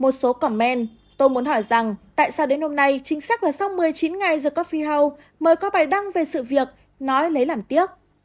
một số comment tôi muốn hỏi rằng tại sao đến hôm nay chính xác là sau một mươi chín ngày the coffee house mời có bài đăng về sự việc nói lấy làm tiếc